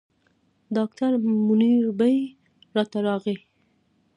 ډاکټر منیربې راته راغی.